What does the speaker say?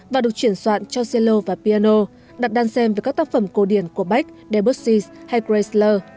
và được chuyển soạn cho celo và piano đặt đàn xem về các tác phẩm cổ điển của bach debussy hay kreisler